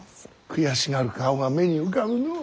悔しがる顔が目に浮かぶのう。